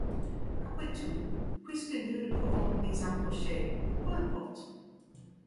Après tout, puisque nous ne pouvons les approcher, peu importe!